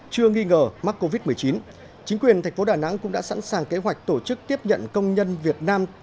chưa nghi ngờ mắc covid một mươi chín chính quyền thành phố đà nẵng cũng đã sẵn sàng kế hoạch tổ chức tiếp nhận công nhân việt nam